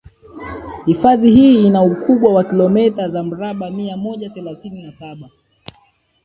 Hifadhi hii ina ukubwa wa kilometa za mraba mia moja thelathini na saba